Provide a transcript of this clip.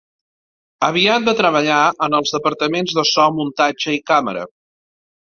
Aviat va treballar en els departaments de so, muntatge i càmera.